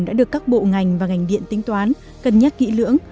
đã được các bộ ngành và ngành điện tính toán cân nhắc kỹ lưỡng